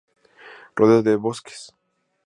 Rodeado de bosques.